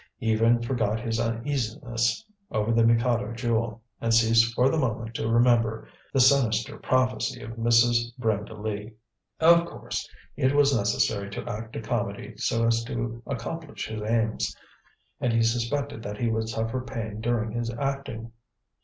He even forgot his uneasiness over the Mikado Jewel, and ceased for the moment to remember the sinister prophecy of Mrs. Brenda Lee. Of course, it was necessary to act a comedy so as to accomplish his aims, and he suspected that he would suffer pain during his acting.